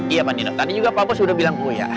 iya pak nino tadi juga papa sudah bilang kemu ya